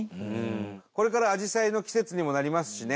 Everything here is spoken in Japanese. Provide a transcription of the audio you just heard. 「これからはアジサイの季節にもなりますしね」